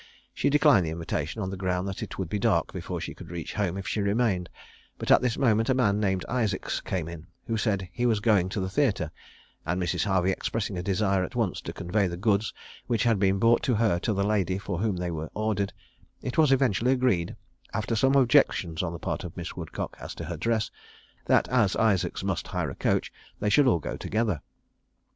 She declined the invitation, on the ground that it would be dark before she could reach home if she remained; but at this moment a man named Isaacs came in, who said that he was going to the theatre, and Mrs. Harvey expressing a desire at once to convey the goods which had been brought to her to the lady for whom they were ordered, it was eventually agreed, after some objections on the part of Miss Woodcock as to her dress, that as Isaacs must hire a coach, they should all go together.